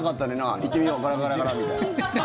行ってみようガラガラガラみたいな。